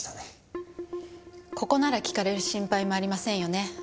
ここなら聞かれる心配もありませんよね。